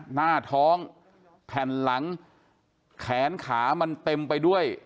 หน้าท้องแผ่นหลังแขนขามันเต็มไปด้วย